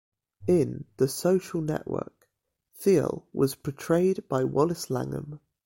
In "The Social Network", Thiel was portrayed by Wallace Langham.